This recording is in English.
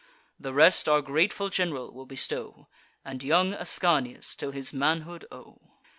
The rest our grateful gen'ral will bestow, And young Ascanius till his manhood owe."